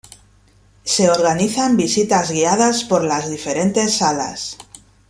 Se organizan visitas guiadas por las diferentes salas.